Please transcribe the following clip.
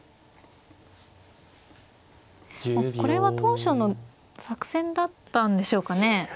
これは当初の作戦だったんでしょうかね。